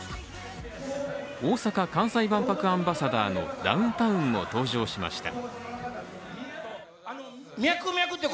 大阪・関西万博アンバサダーのダウンタウンも登場しました。